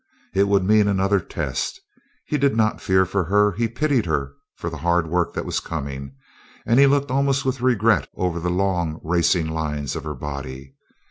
It would mean another test; he did not fear for her, but he pitied her for the hard work that was coming, and he looked almost with regret over the long racing lines of her body.